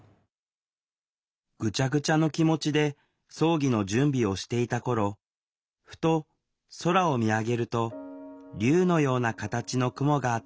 ぐちゃぐちゃの気持ちで葬儀の準備をしていた頃ふと空を見上げると竜のような形の雲があった。